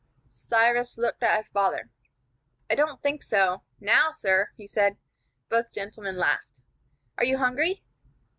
Cyrus looked at his father. "I don't think so now, sir," he said. Both gentlemen laughed. "Are you hungry?"